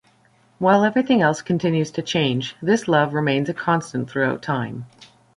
While everything else continues to change, this love remains a constant throughout time.